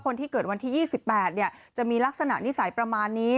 คนที่เกิดวันที่๒๘จะมีลักษณะนิสัยประมาณนี้